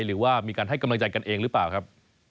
หรือว่ามีการให้กำลังใจกันเองหรือเปล่าครับ